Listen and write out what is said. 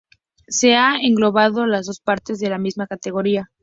Se han englobado las dos partes en la misma categoría.